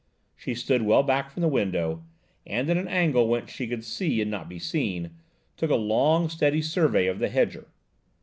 She stood well back from the window, and at an angle whence she could see and not be seen, took a long, steady survey of the hedger.